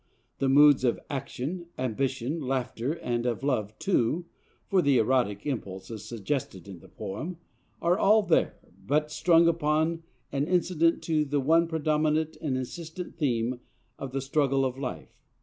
The moods of 'action,' 'ambition,' 'laughter,' and of love, too (for the erotic impulse is suggested in the poem), are all there, but strung upon and incident to the one predominant and insistent theme of the struggle of life.